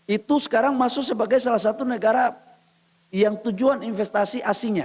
itu sekarang masuk sebagai salah satu negara yang tujuan investasi asingnya